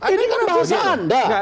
ini kan bahasa anda